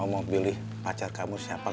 mau pilih pacar kamu siapa